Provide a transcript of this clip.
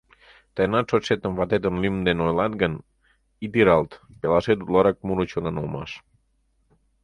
Тыйынат шочшетым ватетын лӱм дене ойлат гын, ит иралт: пелашет утларак муро чонан улмаш.